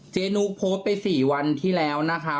เจ๊นุโพสต์ไป๔วันที่แล้วนะคะ